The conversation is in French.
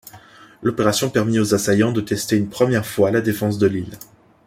L'opération permit aux assaillants de tester une première fois la défense de l'île.